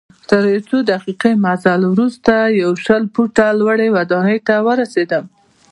تر یو څو دقیقې مزل وروسته یوه شل فوټه لوړي ودانۍ ته ورسیدم.